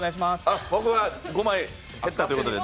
あ、僕は５枚減ったということで。